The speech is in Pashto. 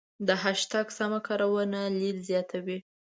د هشتګ سمه کارونه لید زیاتوي.